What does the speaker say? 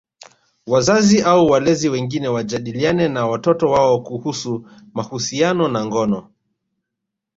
Wazazi au walezi wengine wajadiliane na watoto wao kuhusu mahusiano na ngono